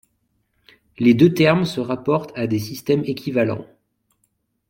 Les deux termes se rapportent à des systèmes équivalents.